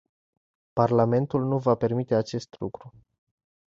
Parlamentul nu va permite acest lucru.